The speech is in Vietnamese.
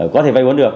có thể vay bốn được